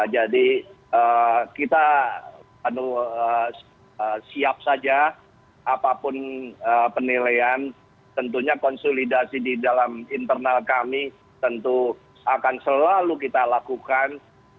jadi kita siap saja apapun penilaian tentunya konsolidasi di dalam internal kami tentu akan selalu kita lakukan